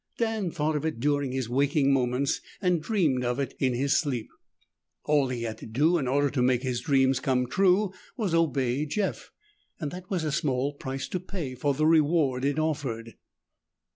Dan thought of it during his waking moments and dreamed of it in his sleep. All he had to do in order to make his dreams come true was obey Jeff, and that was a small price to pay for the reward it offered.